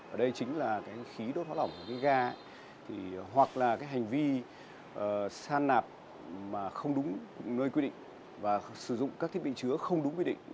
ở đây chính là khí đốt hóa lỏng của cái ga hoặc là cái hành vi san nạp mà không đúng nơi quy định và sử dụng các thiết bị chứa không đúng quy định